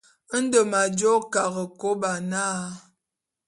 Nde m'ajô Karekôba na.